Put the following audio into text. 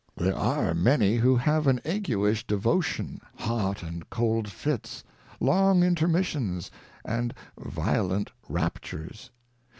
There are many who have an Aguish Devotion, Hot and Cold Fits, long Intermissions, and violent Raptures.